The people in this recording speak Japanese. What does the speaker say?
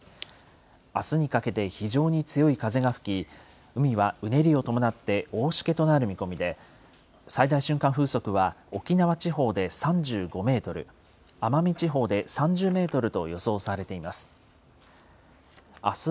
あすにかけて非常に強い風が吹き、海はうねりを伴って大しけとなる見込みで、最大瞬間風速は沖縄地方で３５メートル、奄美地方で３０メートルと予想されています。